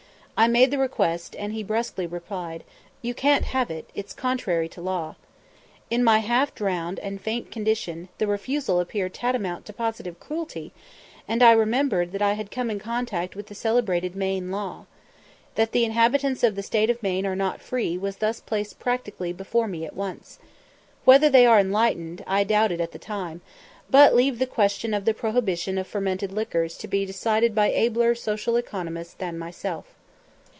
I made the request, and he brusquely replied, "You can't have it, it's contrary to law." In my half drowned and faint condition the refusal appeared tantamount to positive cruelty, and I remembered that I had come in contact with the celebrated "Maine Law." That the inhabitants of the State of Maine are not "free" was thus placed practically before me at once. Whether they are "enlightened" I doubted at the time, but leave the question of the prohibition of fermented liquors to be decided by abler social economists than myself.